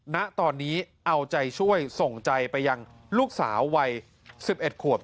ณตอนนี้เอาใจช่วยส่งใจไปยังลูกสาววัย๑๑ขวบ